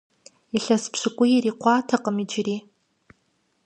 Илъэс пщыкӏуий ирикъуатэкъым иджыри.